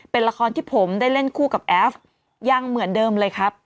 เป็นละครที่ผมได้เล่นคู่กับแอฟยังเหมือนเดิมเลยครับ